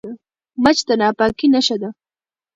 مچ د ناپاکۍ نښه ده